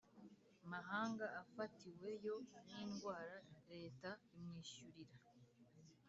Mahanga afatiweyo n indwara leta imwishyurira